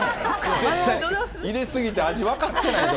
全然、入れ過ぎて味分かってないよ。